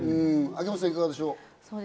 秋元さん、いかがでしょう？